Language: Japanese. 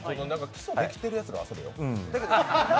基礎できてるやつがやる。